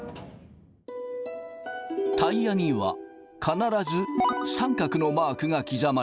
タイヤには必ず三角のマークが刻まれている。